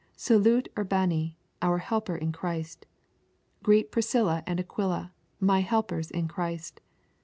'Salute Urbane, our helper in Christ ... Greet Priscilla and Aquila, my helpers in Christ.'